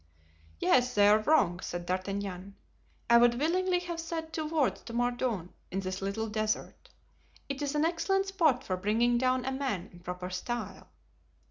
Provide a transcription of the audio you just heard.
"Yes, they are wrong," said D'Artagnan. "I would willingly have said two words to Mordaunt in this little desert. It is an excellent spot for bringing down a man in proper style."